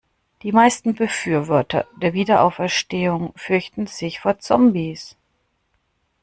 Die meisten Befürworter der Wiederauferstehung fürchten sich vor Zombies.